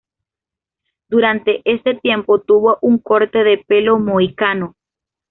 Durante este tiempo tuvo un corte de pelo Mohicano.